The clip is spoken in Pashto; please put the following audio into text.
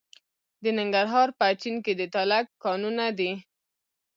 د ننګرهار په اچین کې د تالک کانونه دي.